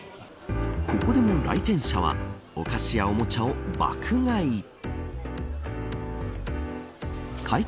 ここでも来店者はお菓子やおもちゃを爆買い。